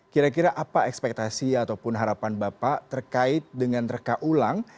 kira kira apa ekspektasi ataupun harapan bapak terkait dengan reka ulang